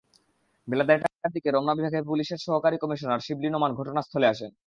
বেলা দেড়টার দিকে রমনা বিভাগের পুলিশের সহকারী কমিশনার শিবলী নোমান ঘটনাস্থলে আসেন।